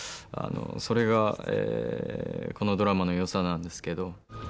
それがこのドラマのよさなんですけど。